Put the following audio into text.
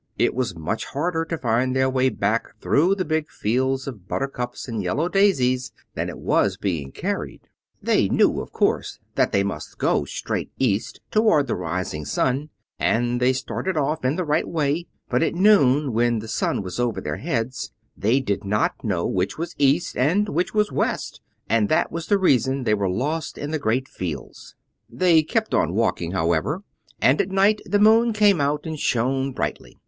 It was much harder to find their way back through the big fields of buttercups and yellow daisies than it was being carried. They knew, of course, they must go straight east, toward the rising sun; and they started off in the right way. But at noon, when the sun was over their heads, they did not know which was east and which was west, and that was the reason they were lost in the great fields. They kept on walking, however, and at night the moon came out and shone brightly.